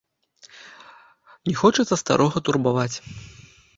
Не хочацца старога турбаваць.